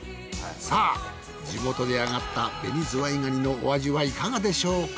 さぁ地元であがった紅ズワイ蟹のお味はいかがでしょうか？